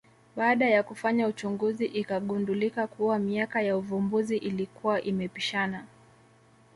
Baada ya kufanya uchunguzi ikagundulika kuwa miaka ya uvumbuzi ilikuwa imepishana